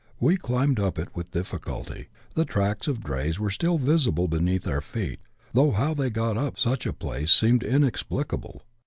We cliinbed up it with diHiculty. The tracks of drays were still visible beneath our t'eet, though how they got up stich a place seemed inexplicable.